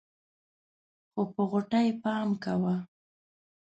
خو په غوټۍ پام کوه.